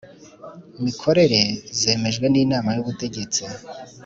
mikorere zemejwe n Inama y Ubutegetsi